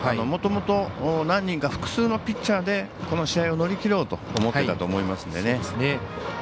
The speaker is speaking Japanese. もともと何人か複数のピッチャーでこの試合を乗り切ろうと思っていたと思いますのでね。